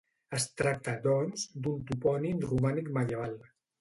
Es tracta, doncs, d'un topònim romànic medieval.